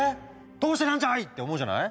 どうしてなんじゃい！って思うじゃない。